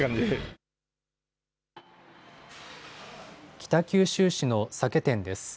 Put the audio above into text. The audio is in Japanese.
北九州市の酒店です。